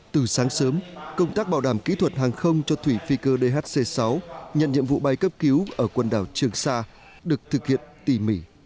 từ sáng sớm công tác bảo đảm kỹ thuật hàng không cho thủy phi cơ dhc sáu nhận nhiệm vụ bay cấp cứu ở quần đảo trường sa được thực hiện tỉ mỉ